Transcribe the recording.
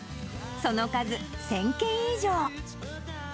その数１０００件以上。